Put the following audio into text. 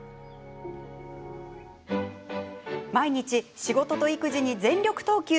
毎日、仕事と育児に全力投球。